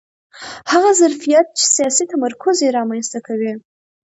هغه ظرفیت چې سیاسي تمرکز یې رامنځته کوي